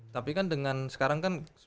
tapi kan dengan sekarang kan